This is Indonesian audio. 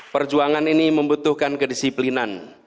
perjuangan ini membutuhkan kedisiplinan